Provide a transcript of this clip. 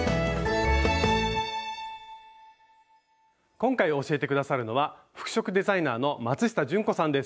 今回教えて下さるのは服飾デザイナーの松下純子さんです。